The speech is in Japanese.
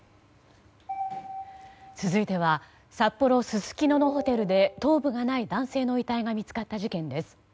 続いては札幌・すすきののホテルで頭部がない男性の遺体が見つかった事件です。